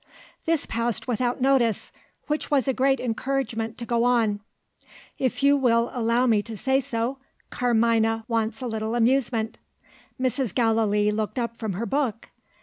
This passed without notice, which was a great encouragement to go on. "If you will allows me to say so, Carmina wants a little amusement." Mrs. Gallilee looked up from her book.